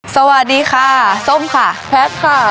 สวัสดีค่ะส้มค่ะแพทย์ค่ะ